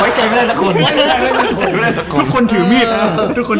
ไว้ใจไม่ได้สักคน